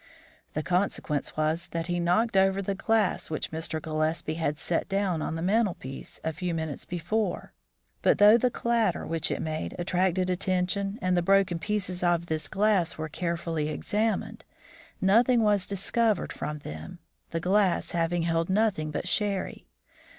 The consequence was that he knocked over the glass which Mr. Gillespie had set down on the mantel shelf a few minutes before; but though the clatter which it made attracted attention and the broken pieces of this glass were carefully examined, nothing was discovered from them, the glass having held nothing but sherry.